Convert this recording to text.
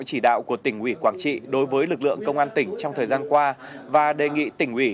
chỉ đạo của tỉnh ủy quảng trị đối với lực lượng công an tỉnh trong thời gian qua và đề nghị tỉnh ủy